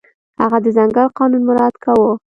هغه د ځنګل قانون مراعت کاوه.